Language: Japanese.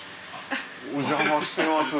お邪魔してます。